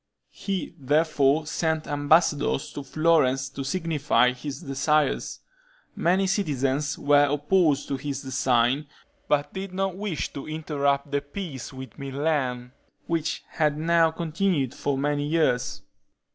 He therefore sent ambassadors to Florence to signify his desires. Many citizens were opposed to his design, but did not wish to interrupt the peace with Milan, which had now continued for many years.